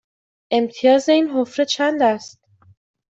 امتیاز این حفره چند است؟